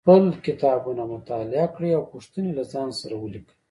خپل کتابونه مطالعه کړئ او پوښتنې له ځان سره ولیکئ